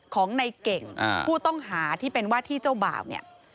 ของในเก่งผู้ต้องหาที่เป็นว่าที่เจ้าบ่าวเนี่ย